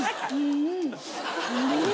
うん。